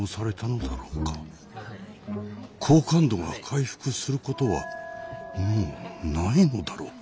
好感度が回復することはもうないのだろうか。